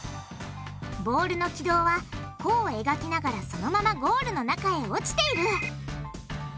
ボールの軌道は弧を描きながらそのままゴールの中へ落ちている！